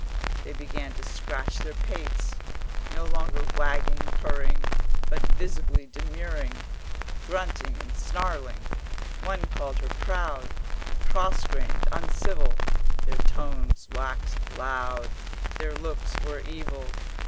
They began to scratch their pates, 390 No longer wagging, purring, But visibly demurring, Grunting and snarling. One called her proud, Cross grained, uncivil; Their tones waxed loud, Their looks were evil.